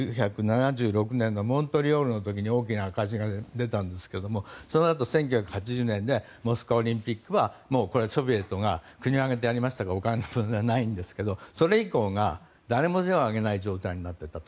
１９７６年のモントリオールの時に大きな赤字が出たんですがそのあと１９８０年のモスクワオリンピックはこれ、ソビエトが国を挙げてやりましたがお金がないんですけどそれ以降が誰も手を挙げない状態になっていた。